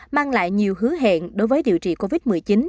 mang lại nhiều hứa hẹn đối với điều trị covid một mươi chín